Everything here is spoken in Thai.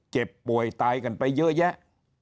เจ็บป่วยตายกันไปเยอะแยะ